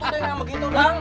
kamu tuh deh yang begitu dang